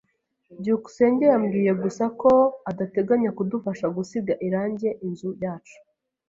byukusenge yambwiye gusa ko adateganya kudufasha gusiga irangi inzu yacu.